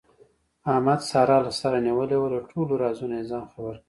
احمد ساره له سره نیولې وه، له ټولو رازونو یې ځان خبر کړ.